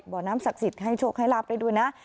บ่อน้ำศักดิ์สิทธิ์ให้โชคให้ลาบได้ด้วยนะ